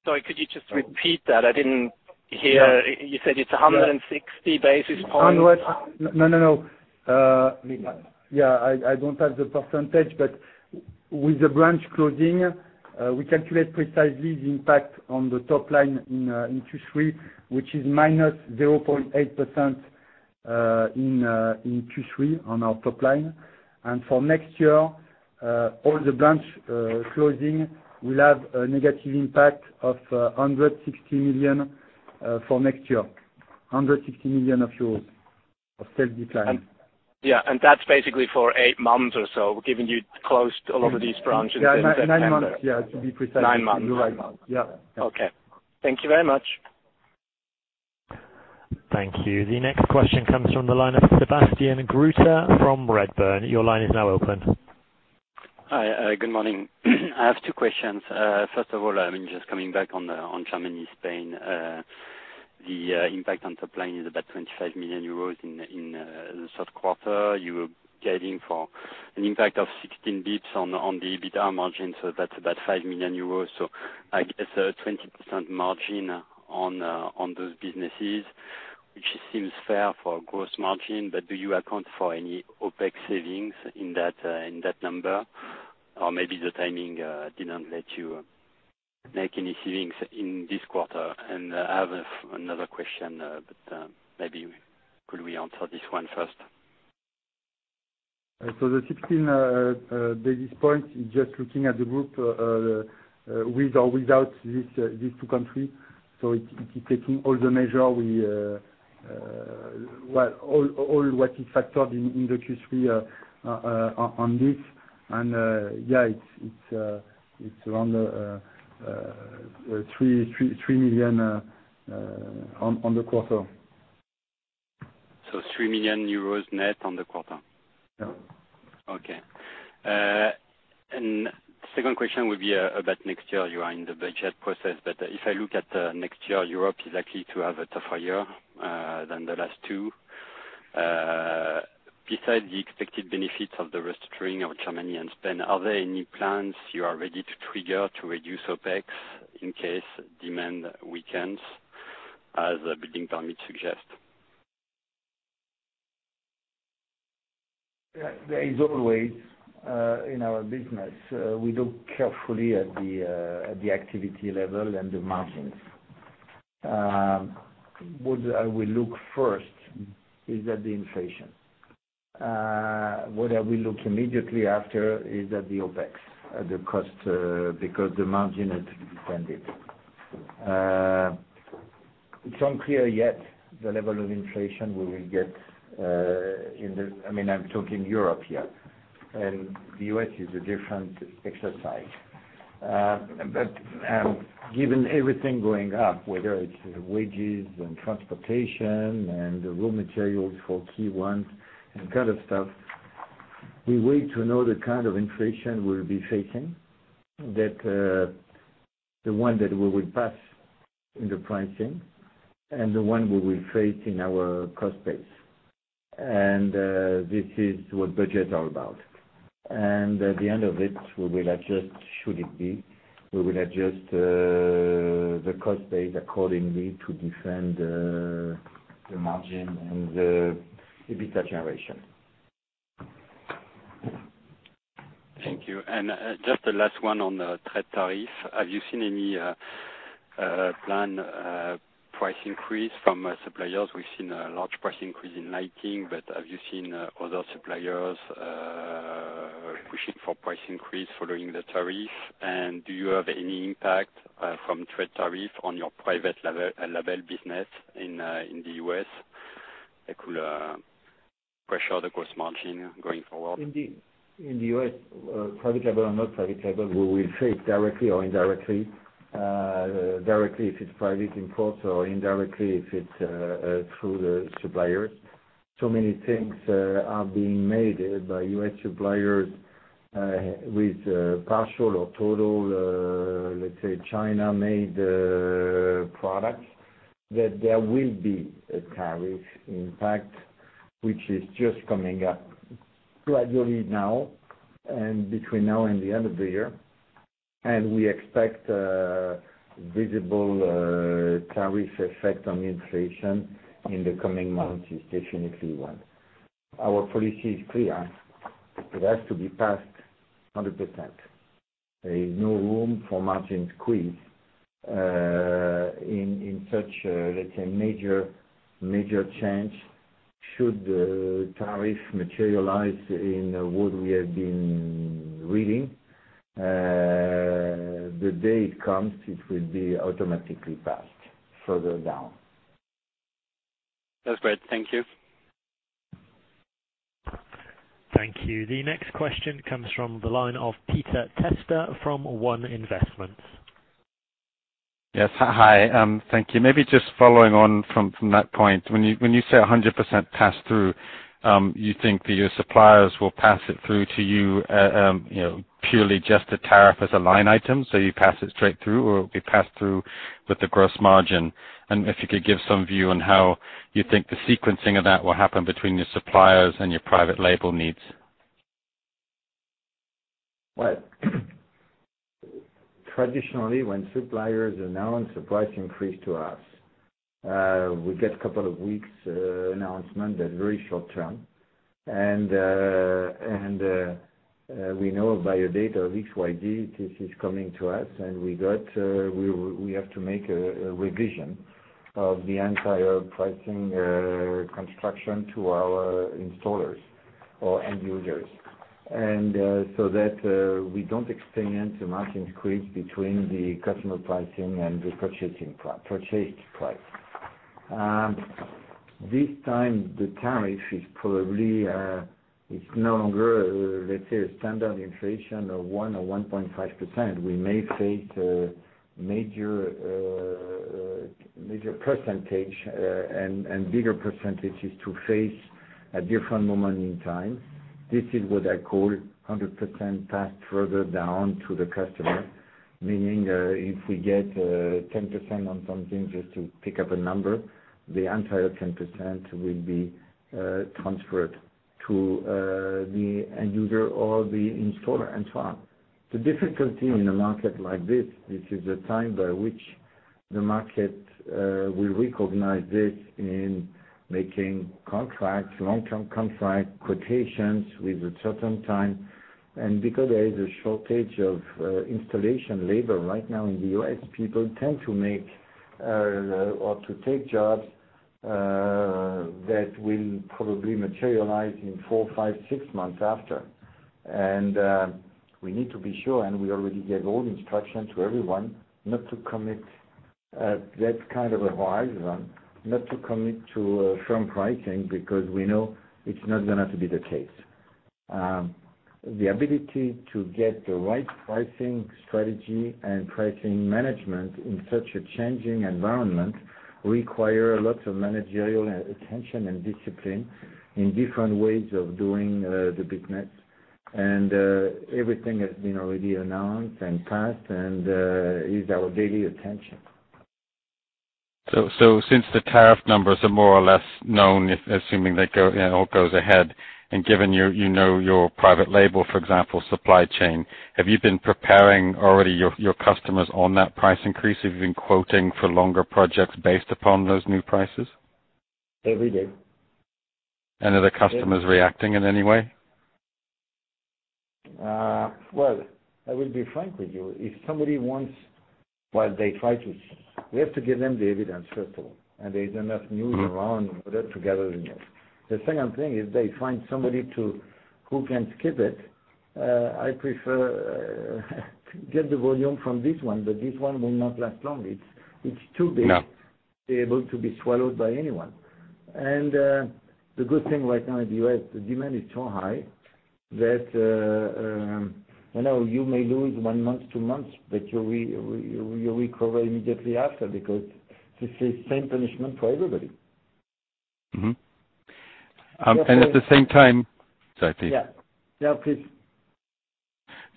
Sorry, could you just repeat that? I didn't hear. You said it's 160 basis points. No. Million. Yeah, I don't have the percentage, but with the branch closing, we calculate precisely the impact on the top line in Q3, which is -0.8% in Q3 on our top line. For next year, all the branch closing will have a negative impact of 160 million for next year. 160 million euros of sales decline. Yeah, that's basically for eight months or so, given you closed all of these branches in September. Yeah, nine months, yeah, to be precise. Nine months. Nine months. Yeah. Okay. Thank you very much. Thank you. The next question comes from the line of Sébastien Gruter from Redburn. Your line is now open. Hi, good morning. I have two questions. First of all, just coming back on Germany/Spain. The impact on top line is about 25 million euros in the third quarter. You were guiding for an impact of 16 basis points on the EBITDA margin, so that's about 5 million euros. I guess a 20% margin on those businesses, which seems fair for gross margin, but do you account for any OpEx savings in that number? Maybe the timing didn't let you make any savings in this quarter. I have another question, but maybe could we answer this one first? The 16 basis points is just looking at the group with or without these two countries. It is taking all the measure, all what is factored in the Q3 on this. Yeah, it's around 3 million on the quarter. 3 million euros net on the quarter? Yeah. Okay. Second question would be about next year. You are in the budget process, but if I look at next year, Europe is likely to have a tougher year than the last two. Besides the expected benefits of the restructuring of Germany and Spain, are there any plans you are ready to trigger to reduce OpEx in case demand weakens as the building permits suggest? There is always in our business, we look carefully at the activity level and the margins. What I will look first is at the inflation. What I will look immediately after is at the OpEx, at the cost, because the margin is defended. It's unclear yet the level of inflation we will get in the-- I'm talking Europe here, and the U.S. is a different exercise. Given everything going up, whether it's wages and transportation and the raw materials for Q1 and kind of stuff, we wait to know the kind of inflation we'll be facing, the one that we will pass in the pricing and the one we will face in our cost base. This is what budgets are about. At the end of it, we will adjust should it be. We will adjust the cost base accordingly to defend the margin and the EBITDA generation. Thank you. Just the last one on the trade tariff. Have you seen any planned price increase from suppliers? We've seen a large price increase in lighting, but have you seen other suppliers pushing for price increase following the tariff? Do you have any impact from trade tariff on your private label business in the U.S. that could pressure the gross margin going forward? Indeed. In the U.S., private label or not private label, we will face directly or indirectly. Directly if it's private import or indirectly if it's through the suppliers. Many things are being made by U.S. suppliers with partial or total, let's say, China-made products, that there will be a tariff impact, which is just coming up gradually now and between now and the end of the year. We expect a visible tariff effect on inflation in the coming months, if definitely one. Our policy is clear. It has to be passed 100%. There is no room for margin squeeze in such a, let's say, major change. Should the tariff materialize in what we have been reading, the day it comes, it will be automatically passed further down. That's great. Thank you. Thank you. The next question comes from the line of Peter Testa from One Investments. Yes. Hi. Thank you. Maybe just following on from that point, when you say 100% pass-through, you think that your suppliers will pass it through to you purely just the tariff as a line item, so you pass it straight through, or it will be passed through with the gross margin? If you could give some view on how you think the sequencing of that will happen between your suppliers and your private label needs. Well, traditionally, when suppliers announce a price increase to us, we get a couple of weeks announcement. They're very short-term. We know by a date of XYZ, this is coming to us, and we have to make a revision of the entire pricing construction to our installers or end users. That we don't experience a margin squeeze between the customer pricing and the purchasing price. This time, the tariff is probably no longer, let's say, a standard inflation of 1% or 1.5%. We may face a major percentage and bigger percentages to face a different moment in time. This is what I call 100% passed further down to the customer, meaning if we get 10% on something, just to pick up a number, the entire 10% will be transferred to the end user or the installer, and so on. The difficulty in a market like this is the time by which the market will recognize this in making contracts, long-term contracts, quotations with a certain time. Because there is a shortage of installation labor right now in the U.S., people tend to make or to take jobs that will probably materialize in four, five, six months after. We need to be sure, and we already gave all instruction to everyone not to commit at that kind of a horizon, not to commit to firm pricing because we know it's not going to be the case. The ability to get the right pricing strategy and pricing management in such a changing environment require a lot of managerial attention and discipline in different ways of doing the business. Everything has been already announced and passed and is our daily attention. Since the tariff numbers are more or less known, assuming it all goes ahead, and given you know your private label, for example, supply chain, have you been preparing already your customers on that price increase? Have you been quoting for longer projects based upon those new prices? Every day. Are the customers reacting in any way? Well, I will be frank with you. If somebody wants, they try to. We have to give them the evidence, first of all. There is enough news around in order to gather the news. The second thing is they find somebody who can skip it. I prefer to get the volume from this one, but this one will not last long. It's too big- No to be able to be swallowed by anyone. The good thing right now in the U.S., the demand is so high that you may lose one month, two months, but you recover immediately after because this is same punishment for everybody. Mm-hmm. At the same time Sorry, please. Yeah. Please.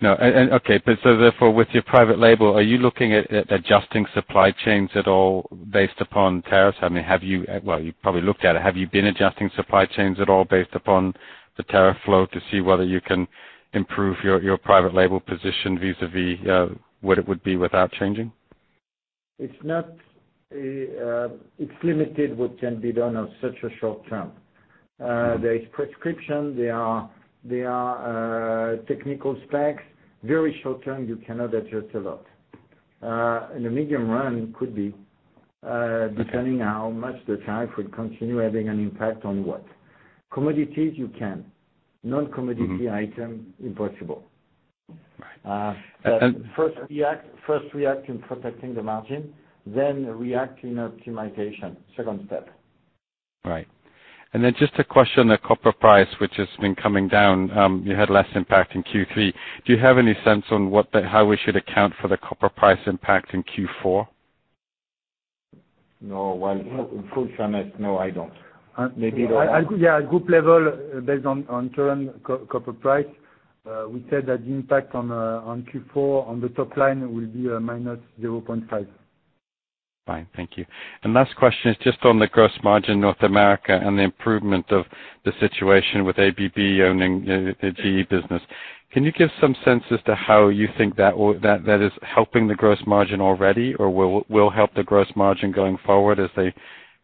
No. Okay. Therefore, with your private label, are you looking at adjusting supply chains at all based upon tariffs? Well, you probably looked at it. Have you been adjusting supply chains at all based upon the tariff flow to see whether you can improve your private label position vis-a-vis what it would be without changing? It's limited, what can be done on such a short term. There is prescription, there are technical specs. Very short term, you cannot adjust a lot. In the medium run, it could be, depending how much the tariff will continue having an impact on what. Commodities, you can. Non-commodity item, impossible. First react in protecting the margin, then react in optimization. Second step. Right. Then just a question on the copper price, which has been coming down. You had less impact in Q3. Do you have any sense on how we should account for the copper price impact in Q4? No. In full fairness, no, I don't. Maybe Laurent. Yeah. At group level, based on current copper price, we said that the impact on Q4 on the top line will be a -0.5. Thank you. Last question is just on the gross margin North America and the improvement of the situation with ABB owning the GE business. Can you give some sense as to how you think that is helping the gross margin already, or will help the gross margin going forward as they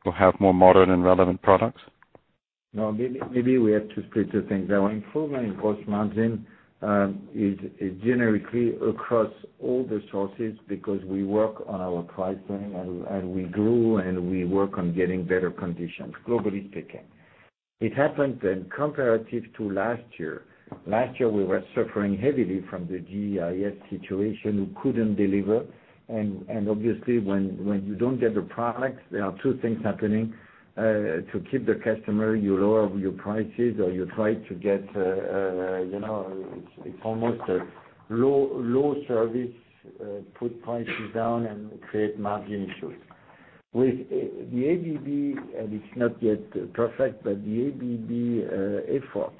will have more modern and relevant products? No, maybe we have to split the things. Our improvement in gross margin is generically across all the sources because we work on our pricing and we grew, we work on getting better conditions, globally speaking. It happened comparative to last year. Last year, we were suffering heavily from the GEIS situation. We couldn't deliver. Obviously when you don't get the products, there are two things happening. To keep the customer, you lower your prices or you try to get it's almost a low service, put prices down and create margin issues. With the ABB, and it's not yet perfect, but the ABB effort,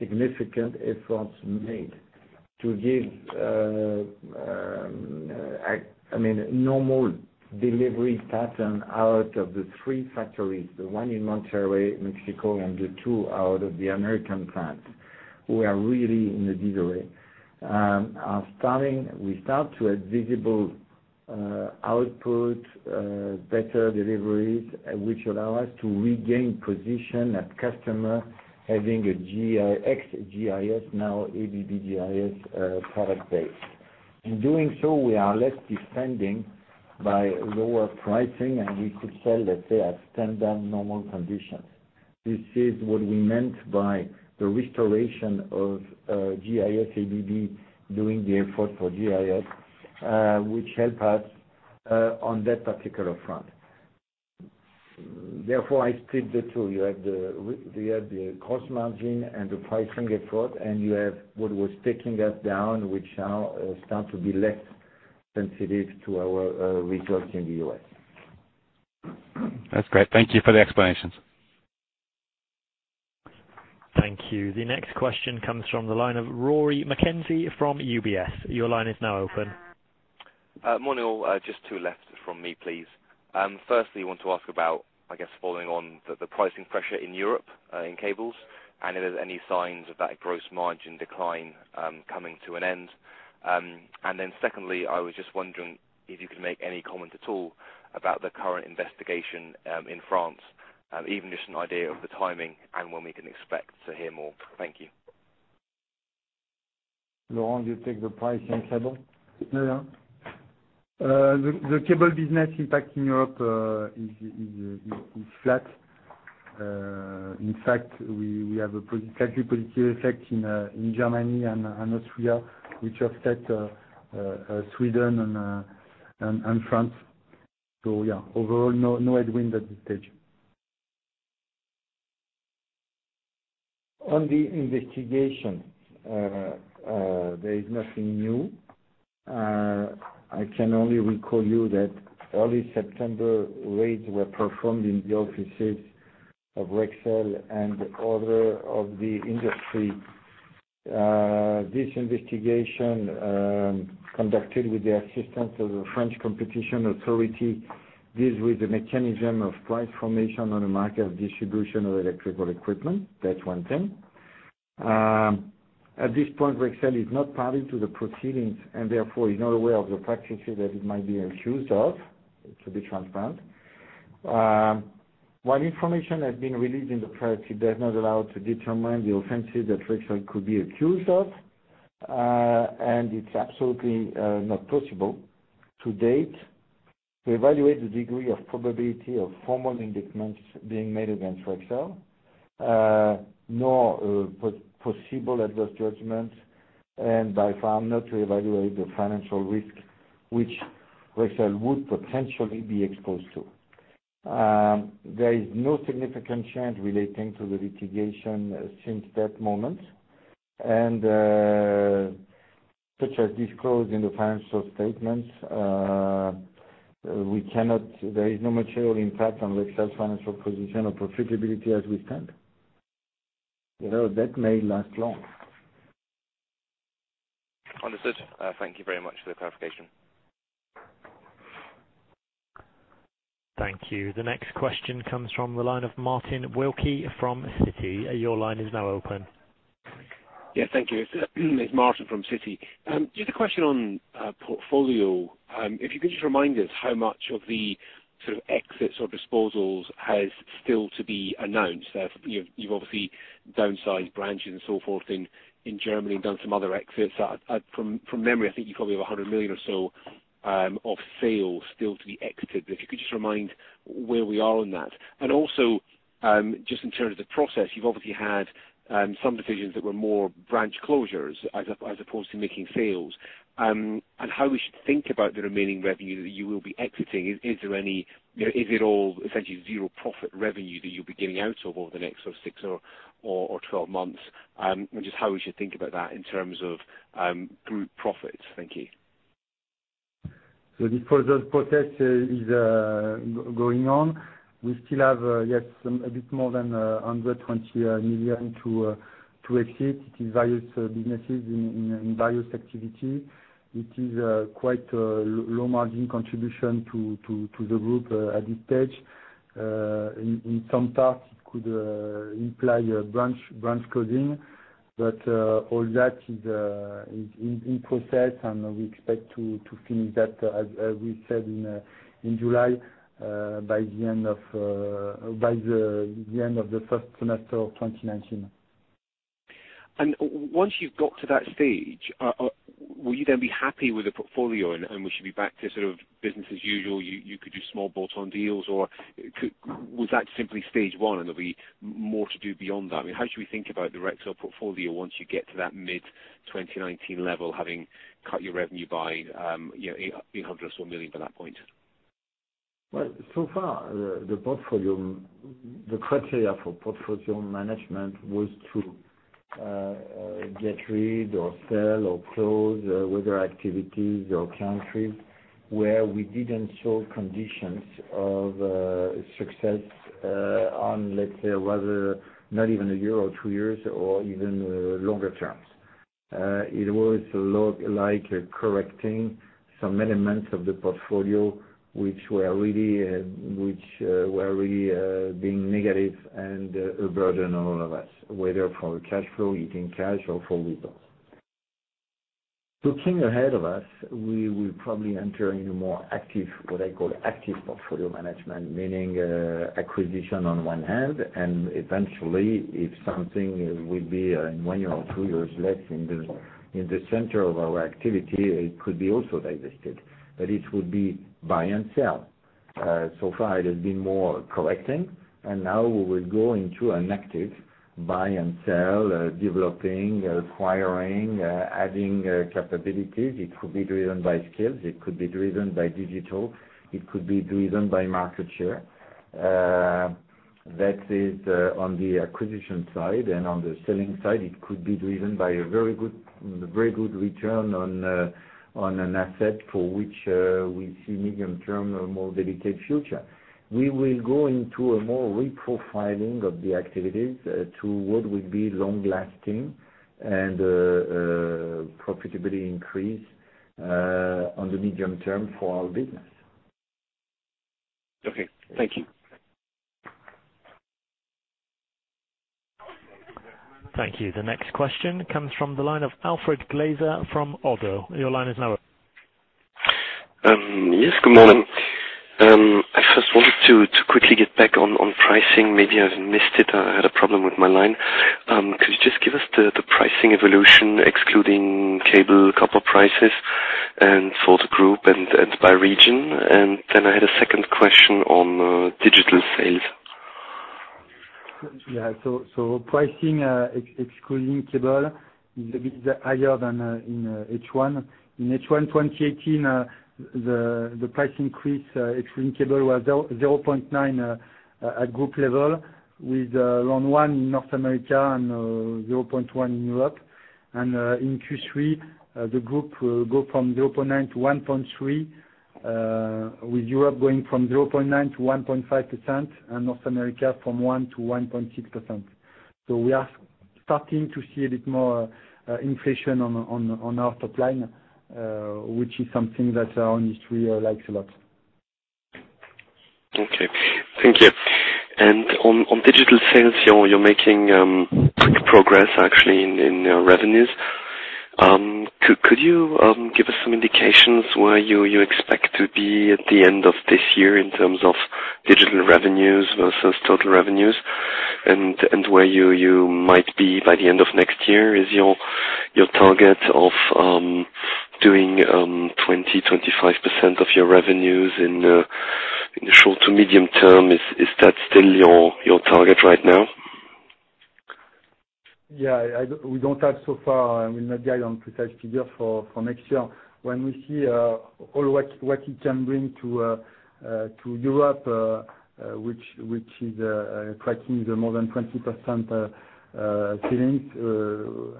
significant efforts made to give normal delivery pattern out of the three factories, the one in Monterrey, Mexico, and the two out of the American plant, we are really in the disarray. We start to have visible output, better deliveries, which allow us to regain position at customer having a ex GIS, now ABB GIS product base. In doing so, we are less defending by lower pricing, we could sell, let's say, at standard normal conditions. This is what we meant by the restoration of GIS ABB doing the effort for GIS, which help us on that particular front. I split the two. You have the gross margin and the pricing effort, you have what was taking us down, which now start to be less sensitive to our results in the U.S. That's great. Thank you for the explanations. Thank you. The next question comes from the line of Rory McKenzie from UBS. Your line is now open. Morning, all. Just two left from me, please. Firstly, want to ask about, I guess following on the pricing pressure in Europe in cables and if there's any signs of that gross margin decline coming to an end. Secondly, I was just wondering if you could make any comment at all about the current investigation in France, even just an idea of the timing and when we can expect to hear more. Thank you. Laurent, you take the pricing cable? The cable business impact in Europe is flat. In fact, we have a slightly positive effect in Germany and Austria, which offset Sweden and France. Overall, no headwind at this stage. On the investigation. There is nothing new. I can only recall you that early September raids were performed in the offices of Rexel and other of the industry. This investigation, conducted with the assistance of the French Competition Authority, deals with the mechanism of price formation on the market of distribution of electrical equipment. That's one thing. At this point, Rexel is not party to the proceedings and therefore is not aware of the practices that it might be accused of. To be transparent. What information has been released in the press does not allow to determine the offenses that Rexel could be accused of. It's absolutely not possible to date to evaluate the degree of probability of formal indictments being made against Rexel. Nor possible adverse judgment, and by far not to evaluate the financial risk which Rexel would potentially be exposed to. There is no significant change relating to the litigation since that moment. Such as disclosed in the financial statements, there is no material impact on Rexel's financial position or profitability as we stand. That may last long. Understood. Thank you very much for the clarification. Thank you. The next question comes from the line of Martin Wilkie from Citi. Your line is now open. Yeah, thank you. It's Martin Wilkie from Citi. Just a question on portfolio. If you could just remind us how much of the exits or disposals has still to be announced. You've obviously downsized branches and so forth in Germany and done some other exits. From memory, I think you probably have 100 million or so of sales still to be exited. If you could just remind where we are on that. Also, just in terms of the process, you've obviously had some decisions that were more branch closures as opposed to making sales. How we should think about the remaining revenue that you will be exiting. Is it all essentially zero-profit revenue that you'll be getting out of over the next six or 12 months? And just how we should think about that in terms of group profits. Thank you. This process is going on. We still have, yes, a bit more than 120 million to exit. It is various businesses in various activity. It is quite a low margin contribution to the group at this stage. In some parts, it could imply branch closing. All that is in process, and we expect to finish that, as we said in July, by the end of the first semester of 2019. Once you've got to that stage, will you then be happy with the portfolio, and we should be back to sort of business as usual? You could do small bolt-on deals, or was that simply stage 1 and there'll be more to do beyond that? How should we think about the Rexel portfolio once you get to that mid-2019 level, having cut your revenue by 800 million or so by that point? Well, so far, the criteria for portfolio management was to get rid or sell or close whether activities or countries where we didn't show conditions of success on, let's say, whether not even a year or two years or even longer terms. It was like correcting some elements of the portfolio which were really being negative and a burden on all of us, whether for cash flow, eating cash or for results. Looking ahead of us, we will probably enter in a more active, what I call active portfolio management, meaning acquisition on one hand, and eventually if something will be in one year or two years less in the center of our activity, it could be also divested. It would be buy and sell. So far it has been more correcting, and now we will go into an active buy and sell, developing, acquiring, adding capabilities. It could be driven by skills. It could be driven by digital. It could be driven by market share. That is on the acquisition side. On the selling side, it could be driven by a very good return on an asset for which we see medium term, a more dedicated future. We will go into a more reprofiling of the activities to what will be long-lasting and profitability increase on the medium term for our business. Okay. Thank you. Thank you. The next question comes from the line of Alfred Gfeller from Oddo. Your line is now open. Yes, good morning. I first wanted to quickly get back on pricing. Maybe I've missed it. I had a problem with my line. Could you just give us the pricing evolution, excluding cable copper prices, and for the group and by region? I had a second question on digital sales. Yeah. Pricing, excluding cable, is a bit higher than in H1. In H1 2018, the price increase excluding cable was 0.9 at group level with around 1% in North America and 0.9 in Europe. In Q3, the group will go from 0.9 to 1.3, with Europe going from 0.9% to 1.5%, and North America from 1% to 1.6%. We are starting to see a bit more inflation on our top line, which is something that our industry likes a lot. Okay. Thank you. On digital sales, you're making quick progress actually in your revenues. Could you give us some indications where you expect to be at the end of this year in terms of digital revenues versus total revenues and where you might be by the end of next year? Is your target of doing 20%-25% of your revenues in the short to medium term, is that still your target right now? Yeah, we don't have so far, we'll not guide on precise figure for next year. When we see all what it can bring to Europe, which is tracking the more than 20% ceilings,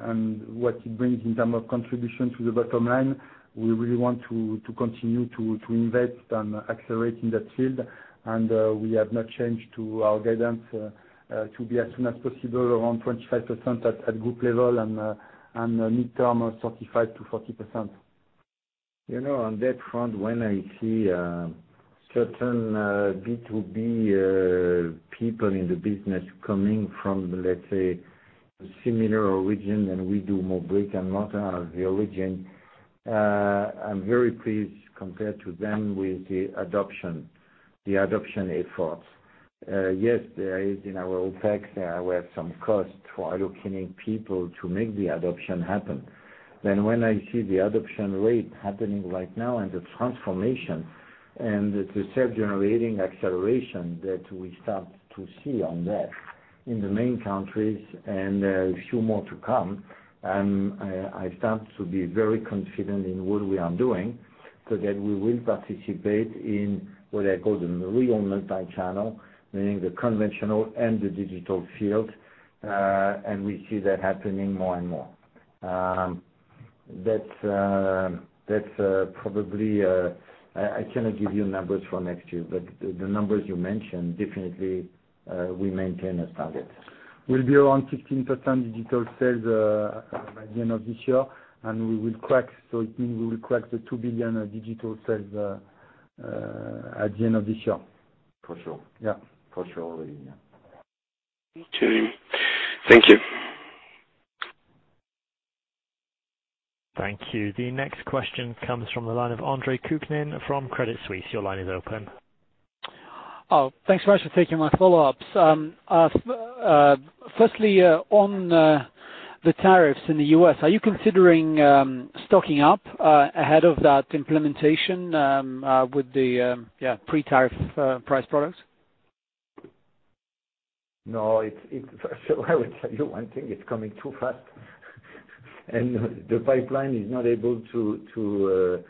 and what it brings in term of contribution to the bottom line, we really want to continue to invest and accelerate in that field. We have not changed to our guidance to be as soon as possible around 25% at group level and midterm of 35% to 40%. On that front, when I see certain B2B people in the business coming from, let's say, similar origin than we do more brick and mortar origin, I'm very pleased compared to them with the adoption efforts. Yes, there is in our OpEx, there were some costs for allocating people to make the adoption happen. When I see the adoption rate happening right now and the transformation and the self-generating acceleration that we start to see on that in the main countries, and a few more to come, I start to be very confident in what we are doing, so that we will participate in what I call the real multi-channel, meaning the conventional and the digital field, and we see that happening more and more. That's probably, I cannot give you numbers for next year, but the numbers you mentioned, definitely, we maintain as target. It will be around 15% digital sales by the end of this year. We will crack the 2 billion of digital sales at the end of this year. For sure. Yeah. For sure, yeah. Okay. Thank you. Thank you. The next question comes from the line of Andre Kukhnin from Credit Suisse. Your line is open. Thanks very much for taking my follow-ups. Firstly, on the tariffs in the U.S., are you considering stocking up ahead of that implementation with the pre-tariff price products? No, I would tell you one thing, it's coming too fast. The pipeline is not able to.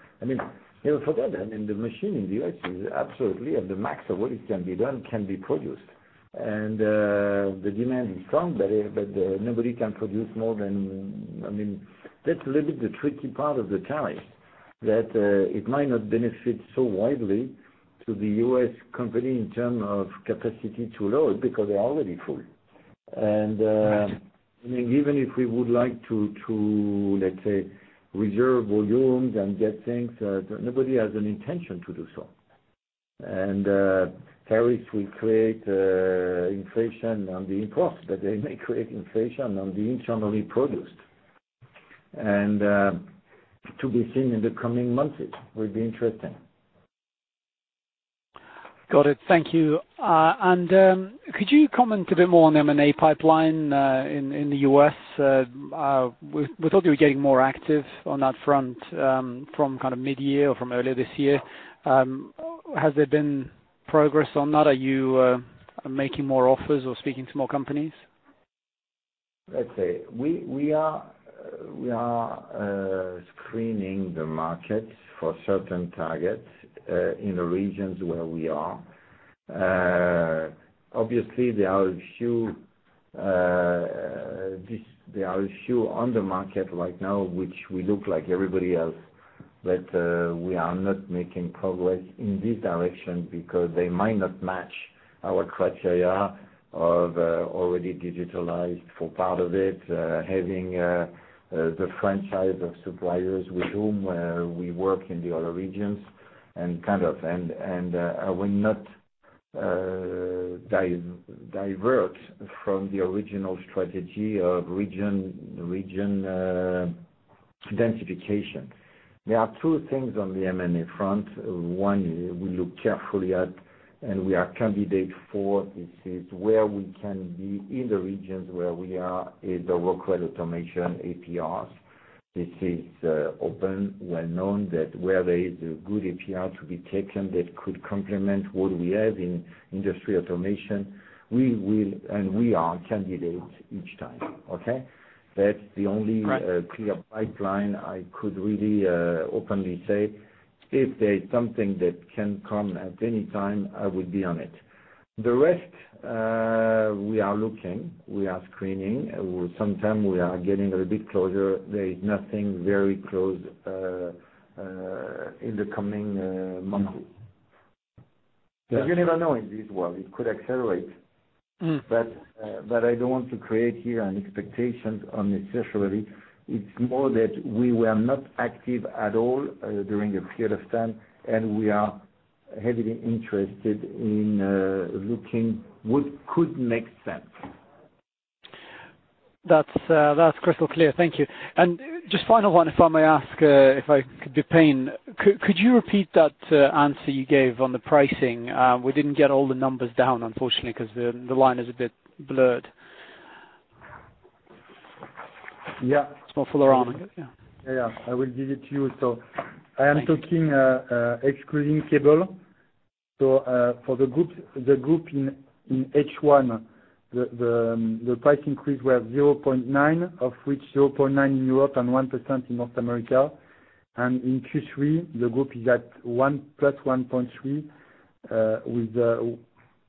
Never forget, I mean, the machine in the U.S. is absolutely at the max of what it can be done, can be produced. The demand is strong, but nobody can produce more than that. That's a little bit the tricky part of the tariff, that it might not benefit so widely to the U.S. company in terms of capacity to load, because they're already full. Right even if we would like to, let's say, reserve volumes and get things, nobody has an intention to do so. Tariffs will create inflation on the imports, but they may create inflation on the internally produced. To be seen in the coming months, it will be interesting. Got it. Thank you. Could you comment a bit more on M&A pipeline in the U.S.? We thought you were getting more active on that front from mid-year or from earlier this year. Has there been progress on that? Are you making more offers or speaking to more companies? Let's say, we are screening the market for certain targets in the regions where we are. Obviously, there are a few on the market right now which we look like everybody else, but we are not making progress in this direction because they might not match our criteria of already digitalized for part of it, having the franchise of suppliers with whom we work in the other regions. I will not divert from the original strategy of region densification. There are two things on the M&A front. One, we look carefully at, and we are candidate for, this is where we can be in the regions where we are in the workplace automation RPA. This is open, well-known that where there is a good RPA to be taken that could complement what we have in industry automation, we will and we are candidate each time. Okay? That's the only- Right clear pipeline I could really openly say. If there's something that can come at any time, I would be on it. The rest, we are looking, we are screening. Sometimes we are getting a little bit closer. There is nothing very close in the coming months. No. Yeah. You never know in this world, it could accelerate. I don't want to create here an expectation unnecessarily. It's more that we were not active at all during a period of time, and we are heavily interested in looking what could make sense. Just final one, if I may ask, if I could be a pain. Could you repeat that answer you gave on the pricing? We didn't get all the numbers down, unfortunately, because the line is a bit blurred. Yeah. It's more fuller on, I guess. Yeah. Yeah. I will give it to you. I am talking, excluding cable. For the group in H1, the price increase were 0.9%, of which 0.9% in Europe and 1% in North America. In Q3, the group is at +1.3%, with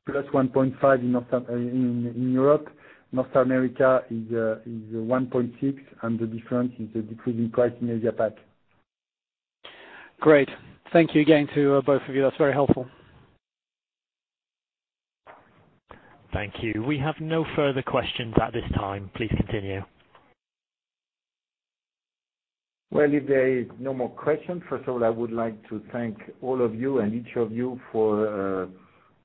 +1.5% in Europe. North America is 1.6%, and the difference is the decreasing price in Asia Pac. Great. Thank you again to both of you. That's very helpful. Thank you. We have no further questions at this time. Please continue. Well, if there is no more question, first of all, I would like to thank all of you and each of you for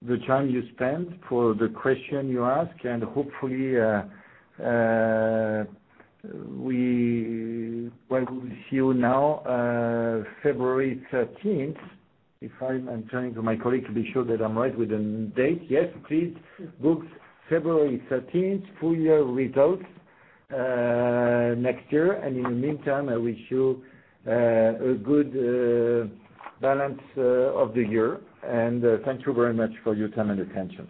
the time you spent, for the question you ask, and hopefully, we will see you now, February 13th. I'm turning to my colleague to be sure that I'm right with the date. Yes, please. Book February 13th, full year results next year. In the meantime, I wish you a good balance of the year. Thank you very much for your time and attention.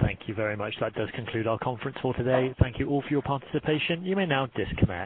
Thank you very much. That does conclude our conference call today. Thank you all for your participation. You may now disconnect.